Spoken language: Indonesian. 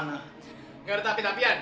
nggak ada tapi tapian